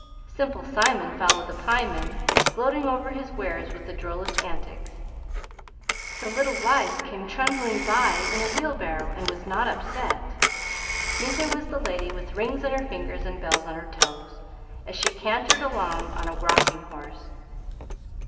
"Simple Simon" followed the pie man, gloating over his wares with the drollest antics. The little wife came trundling by in a wheelbarrow and was not upset; neither was the lady with "rings on her fingers and bells on her toes," as she cantered along on a rocking horse.